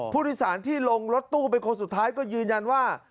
ผู้โดยสารที่ลงรถตู้เป็นคนสุดท้ายก็ยืนยันว่า